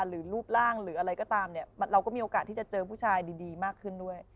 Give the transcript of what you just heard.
รูปร่างหรืออะไรก็ตามเนี่ยเราก็มีโอกาสที่จะเจอผู้ชายดีมากขึ้นด้วย